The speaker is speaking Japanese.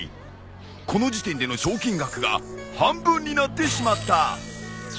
［この時点での賞金額が半分になってしまった］